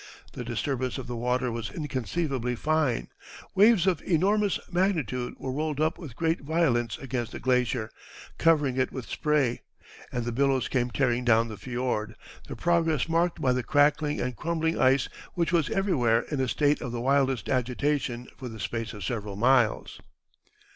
The disturbance of the water was inconceivably fine. Waves of enormous magnitude were rolled up with great violence against the glacier, covering it with spray; and billows came tearing down the fiord, their progress marked by the crackling and crumbling ice which was everywhere in a state of the wildest agitation for the space of several miles."